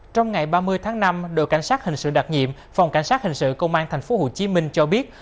trong ngày ba mươi tháng năm đội cảnh sát hình sự đặc nhiệm phòng cảnh sát hình sự công an tp hcm cho biết